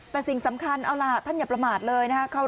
แต่สิ่งสำคัญเอาล่ะท่านอย่าประมาทเลยนะครับ